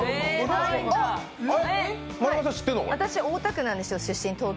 私、大田区なんですよ。